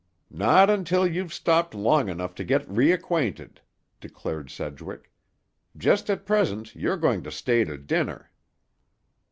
"Not until you've stopped long enough to get reacquainted," declared Sedgwick. "Just at present you're going to stay to dinner."